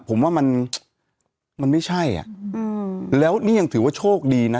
ผมว่ามันมันไม่ใช่อ่ะอืมแล้วนี่ยังถือว่าโชคดีนะ